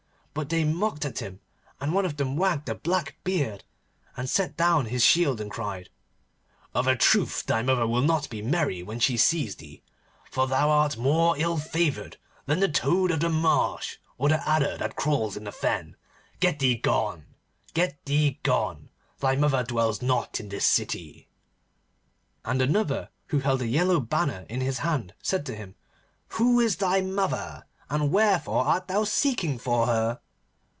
But they mocked at him, and one of them wagged a black beard, and set down his shield and cried, 'Of a truth, thy mother will not be merry when she sees thee, for thou art more ill favoured than the toad of the marsh, or the adder that crawls in the fen. Get thee gone. Get thee gone. Thy mother dwells not in this city.' And another, who held a yellow banner in his hand, said to him, 'Who is thy mother, and wherefore art thou seeking for her?